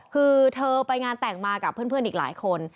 คือเธอไปงานแต่งมากับเพื่อนอีกหลายคน